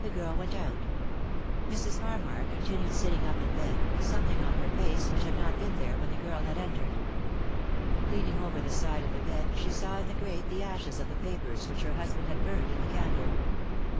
The girl went out. Mrs. Harmar continued sitting up in bed, something on her face which bad not been there when the girl had entered. Leaning over the side of the bed she saw in the grate the ashes of the papers which her husband had burned in the candle.